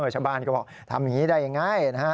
ชาวบ้านก็บอกทำอย่างนี้ได้อย่างง่าย